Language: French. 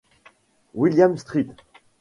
William St.